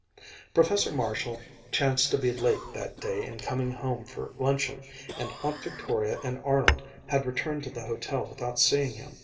Professor Marshall chanced to be late that day in coming home for luncheon, and Aunt Victoria and Arnold had returned to the hotel without seeing him.